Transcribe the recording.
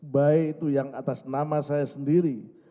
baik itu yang atas nama saya sendiri